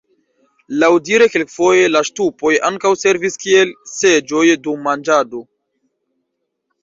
Laŭdire kelkfoje la ŝtupoj ankaŭ servis kiel seĝoj dum manĝado.